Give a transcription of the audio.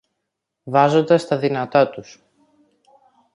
βάζοντας τα δυνατά τους